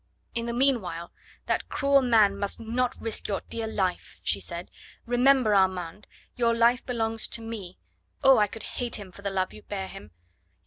"In the meanwhile, that cruel man must not risk your dear life," she said. "Remember, Armand, your life belongs to me. Oh, I could hate him for the love you bear him!"